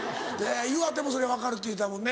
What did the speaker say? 岩手もそれ分かるって言うてたもんね。